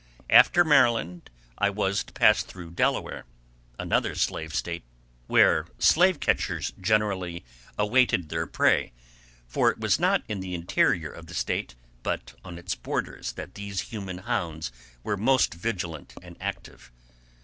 After Maryland, I was to pass through Delaware—another slave State, where slave catchers generally awaited their prey, for it was not in the interior of the State, but on its borders, that these human hounds were most vigilant and active.